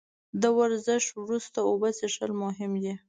د ورزش وروسته اوبه څښل مهم دي